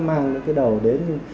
sẽ mang cái đầu đến